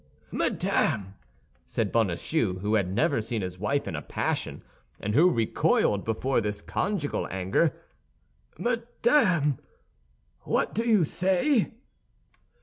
"Madame," said Bonacieux, who had never seen his wife in a passion, and who recoiled before this conjugal anger, "madame, what do you say?"